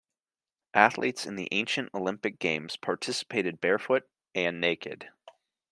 Athletes in the Ancient Olympic Games participated barefoot - and naked.